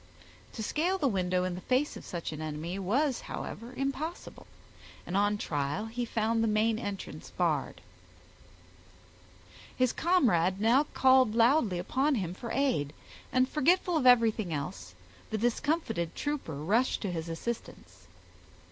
To scale the window in the face of such an enemy, was, however, impossible, and on trial he found the main entrance barred. His comrade now called loudly upon him for aid, and forgetful of everything else, the discomfited trooper rushed to his assistance.